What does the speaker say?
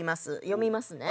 読みますね。